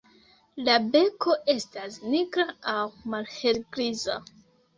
La beko estas nigra aŭ malhelgriza.